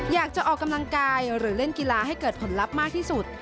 อยากจะออกกำลังกายหรือเล่นกีฬาให้เกิดผลลัพธ์มากที่สุด